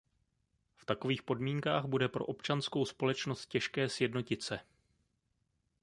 V takových podmínkách bude pro občanskou společnost těžké sjednotit se.